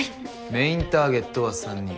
メインターゲットは３人。